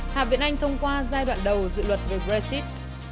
hạ viện anh thông qua giai đoạn đầu dự luật về brexit